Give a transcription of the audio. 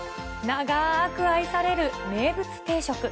長ーく愛される名物定食。